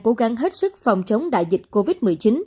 các nước đang cố gắng hết sức phòng chống đại dịch covid một mươi chín